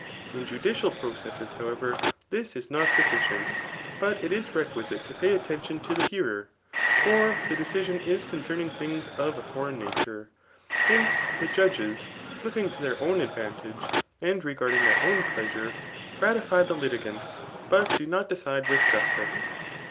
In judicial processes ho«^ ever, this is not sufficient, but it is requisite to pay attsn^ rion to the hearer ; for the decision is concerning things of a foreign nature. Hence, the judges, looking to their own advantage, and regarding their own pleasufe,. gratify the litfgants, but do . not decide with justice.